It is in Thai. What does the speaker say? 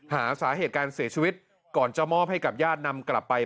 หาสาเหตุการเสียชีวิตก่อนจะมอบให้กับญาตินำกลับไป